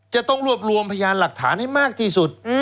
จะต้องรวบรวมพยานหลักฐานให้มากที่สุด